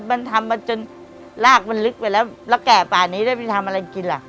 มันทำมาจนรากมันลึกไปแล้วแล้วแก่ป่านี้ได้ไปทำอะไรกินล่ะ